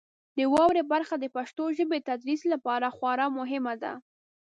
د واورئ برخه د پښتو ژبې د تدریس لپاره خورا مهمه ده.